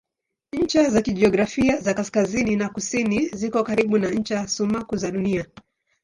Ncha za kijiografia za kaskazini na kusini ziko karibu na ncha sumaku za Dunia.